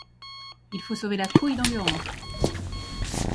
« Il faut sauver la couille d’Enguerrand.